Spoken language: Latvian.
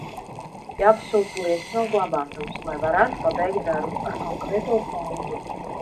Jāpasūta lietas no glabātuves, lai varētu pabeigt darbu ar konkrēto fondu.